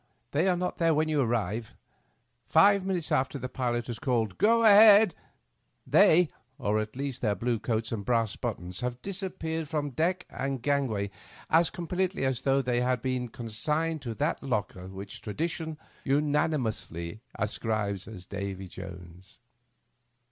They are not there when yon arrive ; five minutes after the pilot has called " Gk) a head I " they, or at least their blue coats and brass buttons, have disappeared from deck and gang way as completely as though they had been consigned to that locker which tradition unanimously ascribes to Davy Jones.